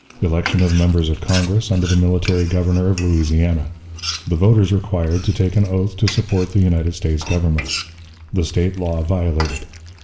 Election of Members of Congress under the Military Governor of Louisiana. The Voters required to take an Oath to support the United States Government. The State Law violated.